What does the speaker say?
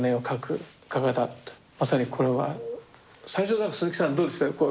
まさにこれは最初だから鈴木さんどうですか？